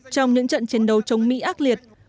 trong những trận chiến đấu chống mỹ ác liệt